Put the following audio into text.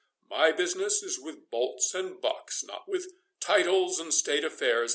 "My business is with bolts and bucks, not with titles and state affairs.